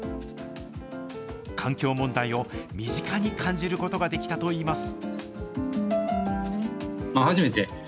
環境問題を身近に感じることができたといいます。